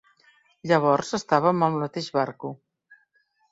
Llavors estàvem al mateix barco.